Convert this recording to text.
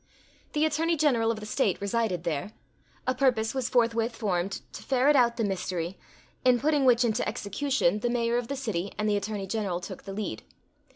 The Attorney General of the State resided there. A purpose was forthwith formed to ferret out the mystery, in putting which into execution, the Mayor of the city and the Attorney General took the lead.